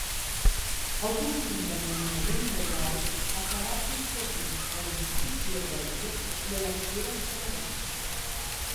El costum del nomenament reial, acabà concedint a la institució règia l'elecció dels Senadors.